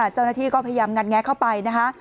เจ้าหน้าที่ก็พยายามงัดแงะเข้าไปนะคะ